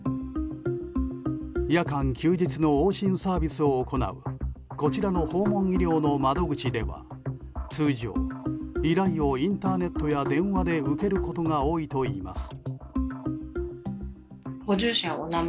夜間・休日の往診サービスを行うこちらの訪問医療の窓口では通常、依頼をインターネットや電話で受けることが多いといいます。